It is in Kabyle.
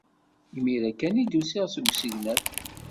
Imir-a kan ay d-usiɣ seg usegnaf.